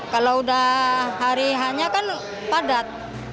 kalau udah hari hanya kan padat